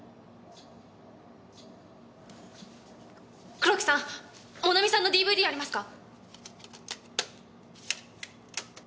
黒木さんもなみさんのＤＶＤありますか？